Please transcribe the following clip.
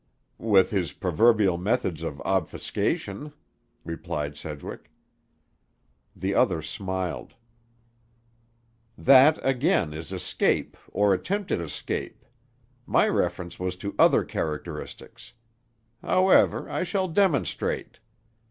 "With his proverbial methods of obfuscation," replied Sedgwick. The other smiled. "That, again, is escape or attempted escape. My reference was to other characteristics. However, I shall demonstrate."